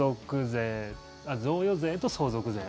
贈与税と相続税。